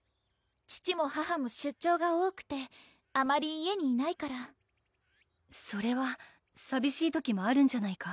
父も母も出張が多くてあまり家にいないからそれはさびしい時もあるんじゃないか？